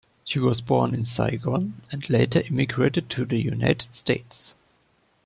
She was born in Saigon, and later immigrated to the United States.